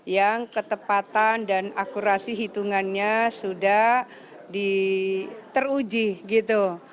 yang ketepatan dan akurasi hitungannya sudah teruji gitu